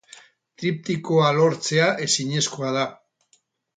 Triptikoa lortzea ezinezkoa da.